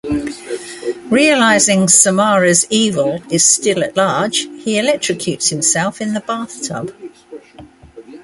Realizing Samara's evil is still at large, he electrocutes himself in the bathtub.